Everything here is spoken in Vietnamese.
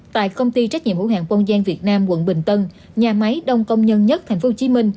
tại công ty trách nhiệm hữu hạng bông gian việt nam quận bình tân nhà máy đông công nhân nhất tp hcm